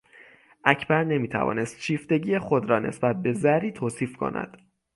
اکبر نمی توانست شیفتگی خود را نسبت به زری توصیف کند.